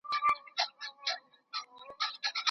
چي یو ناڅاپه راغلل باد او باران